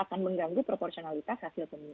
akan mengganggu proporsionalitas hasil pemilu